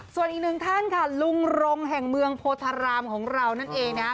ส่วนอีกหนึ่งท่านค่ะลุงรงแห่งเมืองโพธารามของเรานั่นเองนะ